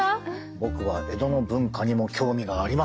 僕は江戸の文化にも興味があります！